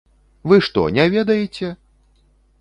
Вы што, не ведаеце?!